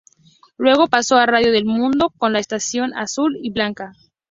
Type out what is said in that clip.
Luego paso a Radio El Mundo con la estación azul y blanca.